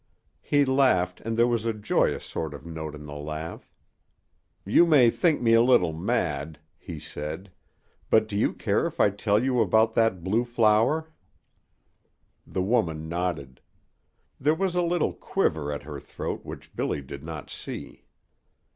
He laughed, and there was a joyous sort of note in the laugh. "You may think me a little mad," he said, "but do you care if I tell you about that blue flower?" The woman nodded. There was a little quiver at her throat which Billy did not see.